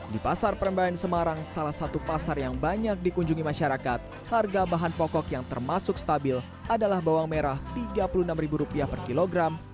di pasar perembayan semarang salah satu pasar yang banyak dikunjungi masyarakat harga bahan pokok yang termasuk stabil adalah bawang merah rp tiga puluh enam per kilogram